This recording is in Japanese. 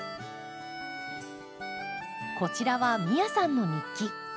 こちらは美耶さんの日記。